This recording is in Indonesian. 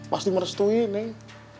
pasti merestui neng